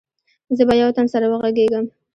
زه به يو تن سره وغږېږم.